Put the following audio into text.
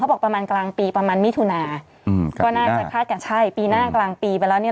บอกประมาณกลางปีประมาณมิถุนาอืมก็น่าจะคาดกันใช่ปีหน้ากลางปีไปแล้วเนี่ย